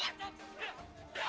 aku mau ke rumah